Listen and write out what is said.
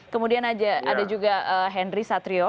kemudian ada juga henry satrio